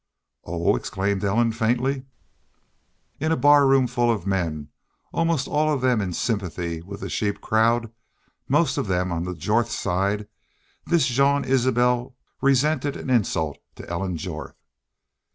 "Oh!" exclaimed Ellen, faintly. "In a barroom full of men almost all of them in sympathy with the sheep crowd most of them on the Jorth side this Jean Isbel resented an insult to Ellen Jorth."